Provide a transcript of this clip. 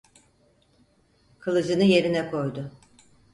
Kılıcını yerine koydu.